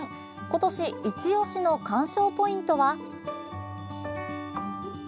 今年いち押しの観賞ポイントは？